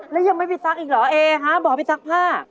แล้วยังไม่ไปจับอีกเหรอเอยฆ่าบอกไปว่าไปจับผ้า